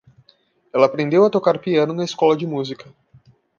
Ela aprendeu a tocar piano na escola de música.